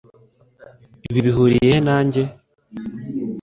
Ibi bihuriye he nanjye?